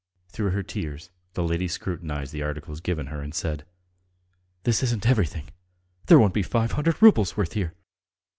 Through her tears the lady scrutinized the articles given her and said: "This isn't everything. ... There won't be five hundred roubles' worth here."